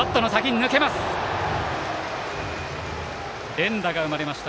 連打が生まれました